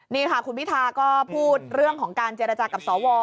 นี่ค่ะคุณพิธาก็พูดเรื่องของการเจรจากับสว